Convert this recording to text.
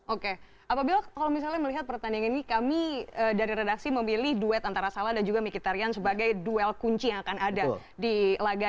oke apabila kalau misalnya melihat pertandingan ini kami dari redaksi memilih duet antara salah dan juga mkitarian sebagai duel kunci yang akan ada di laga